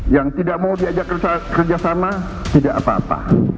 yang tidak mau diajak kerjasama tidak apa apa